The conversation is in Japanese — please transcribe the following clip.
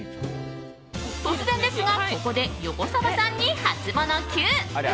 突然ですがここで横澤さんにハツモノＱ。